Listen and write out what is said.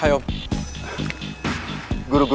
lo siap butuh halo